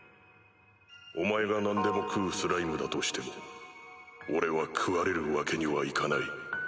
お前が何でも食うスライムだとしても俺は食われるわけにはいかない。